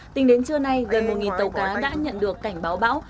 tính đến trưa nay gần một tàu cá đã nhận được cảnh báo bão